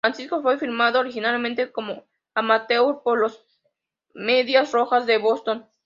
Francisco fue firmado originalmente como amateur por los Medias Rojas de Boston.